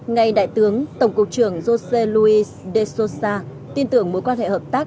ngày đại tướng tổng cục trưởng josé luis de sousa tin tưởng mối quan hệ hợp tác